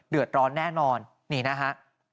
เดือดร้อนแน่นอนนี่นะฮะ